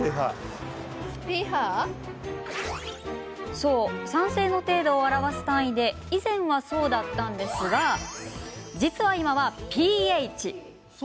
そう、酸性の程度を表す単位で以前はそうだったんですが実は今は、ｐＨ。